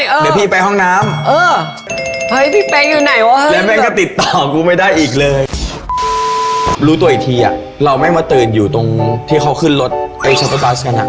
โอเคเดี๋ยวพี่ไปห้องน้ำแล้วมันก็ติดต่อกูไม่ได้อีกเลยรู้ตัวอีกทีอ่ะเราแม่งมาตื่นอยู่ตรงที่เขาขึ้นรถเอเชียต้อบัสกันอ่ะ